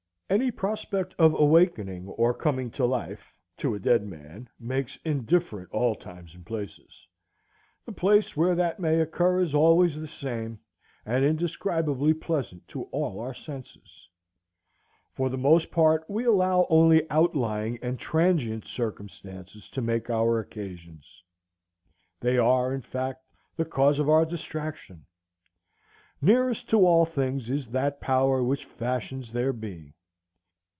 Any prospect of awakening or coming to life to a dead man makes indifferent all times and places. The place where that may occur is always the same, and indescribably pleasant to all our senses. For the most part we allow only outlying and transient circumstances to make our occasions. They are, in fact, the cause of our distraction. Nearest to all things is that power which fashions their being.